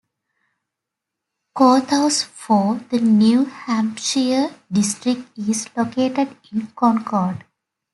Courthouse for the New Hampshire district is located in Concord.